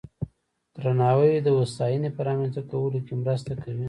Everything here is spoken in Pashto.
درناوی د هوساینې په رامنځته کولو کې مرسته کوي.